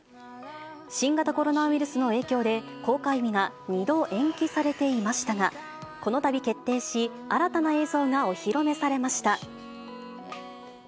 新型コロナウイルスの影響で、公開日が２度延期されていましたが、このたび決定し、新たな映像がお披露目されました。